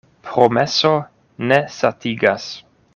Promeso ne satigas.